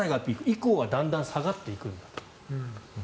以降はだんだん下がっていくんだと。